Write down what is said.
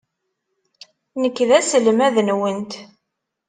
Nekk d aselmad-nwent.